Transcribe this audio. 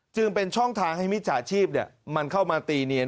จึงเป็นช่องทางให้มิจฉาชีพมันเข้ามาตีเนียน